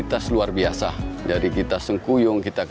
bahwa kurang lebih banyak teman teman cosek